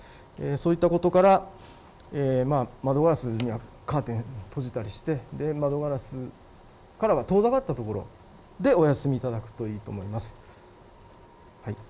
そういったことから窓ガラスのカーテンを閉じたりして窓ガラスからは遠ざかったところでお休みいただくといいと思います。